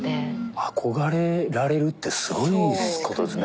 憧れられるってすごいことですね。